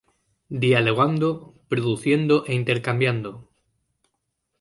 Dialogando, produciendo e intercambiando.